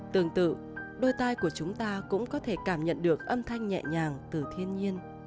tương tự đôi tay của chúng ta cũng có thể cảm nhận được âm thanh nhẹ nhàng từ thiên nhiên